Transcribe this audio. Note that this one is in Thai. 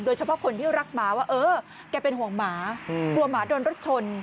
เฉพาะคนที่รักหมาว่าเออแกเป็นห่วงหมากลัวหมาโดนรถชน